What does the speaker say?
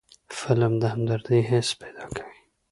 فلم د همدردۍ حس پیدا کوي